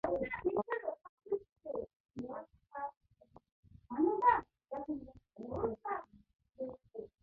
Сүүлчийн хугацааг нь заасан ажлыг гүйцэтгэхдээ ч огт стресст ордоггүй.